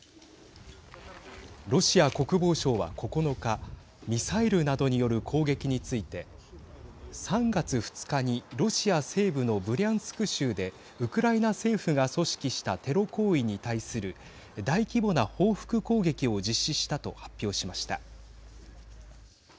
ロシア国防省は９日ミサイルなどによる攻撃について３月２日にロシア西部のブリャンスク州でウクライナ政府が組織したテロ行為に対する大規模な報復攻撃を実施したと発表しました。